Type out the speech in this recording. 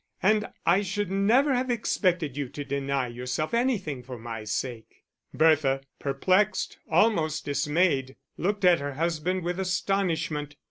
And I should never have expected you to deny yourself anything for my sake." Bertha, perplexed, almost dismayed, looked at her husband with astonishment.